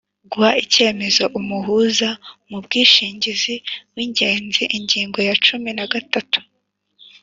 Guha icyemezo umuhuza mu bwishingizi wigenga Ingingo ya cumi na gatatu: